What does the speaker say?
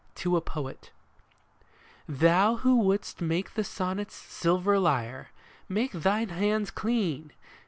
TO A POET Thou who wouldst wake the sonnet's silver lyre, Make thine hands clean